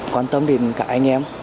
quan tâm đến cả anh em